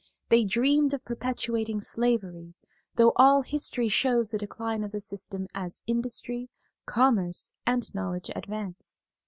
They dreamed of perpetuating slavery, though all history shows the decline of the system as industry, commerce, and knowledge advance.